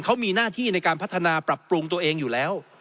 เขามีหน้าที่ในการพัฒนาปรับปรุงตัวเองอยู่แล้ว